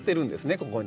ここに。